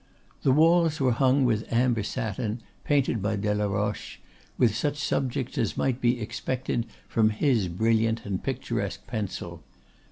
The walls were hung with amber satin, painted by Delaroche with such subjects as might be expected from his brilliant and picturesque pencil.